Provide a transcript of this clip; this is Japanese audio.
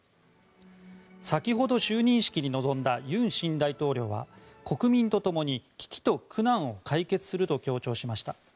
先ほど就任式に臨んだ尹新大統領は国民とともに危機と苦難を解決すると強調しました。